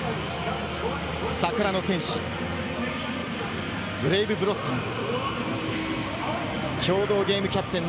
桜の戦士・ブレイブ・ブロッサムズ。